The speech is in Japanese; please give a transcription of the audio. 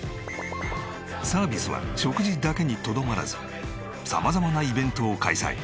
サービスは食事だけにとどまらず様々なイベントを開催。